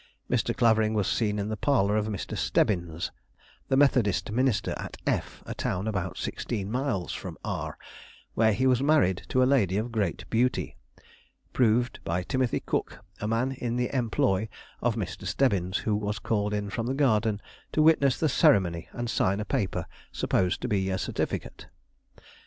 Mr. Clavering was seen in the parlor of Mr. Stebbins, the Methodist minister at F , a town about sixteen miles from R , where he was married to a lady of great beauty. _Proved by Timothy Cook, a man in the employ of Mr. Stebbins, who was called in from the garden to witness the ceremony and sign a paper supposed to be a certificate.